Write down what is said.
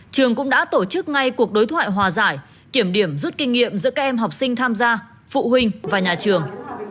trường cũng đã tổ chức ngay cuộc đối thoại hòa giải kiểm điểm rút kinh nghiệm giữa các em học sinh tham gia phụ huynh và nhà trường